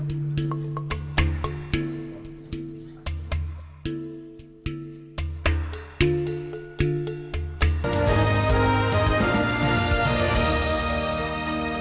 itu merupakan hari yang merosot semua particulare